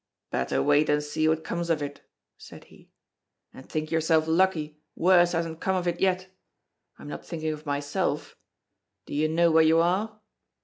"Better wait and see what comes of it," said he. "And think yourself lucky worse hasn't come of it yet! I'm not thinking of myself; do you know where you are?